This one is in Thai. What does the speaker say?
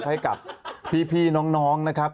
ให้กับพี่น้องนะครับ